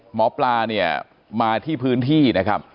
หมอปลาเนี่ยมาที่พื้นที่นะครับ